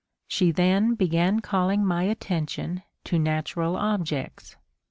She then began calling my attention to natural objects.